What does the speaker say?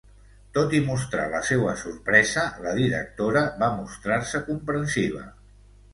Tot i mostrar la seua sorpresa, la directora va mostrar-se comprensiva.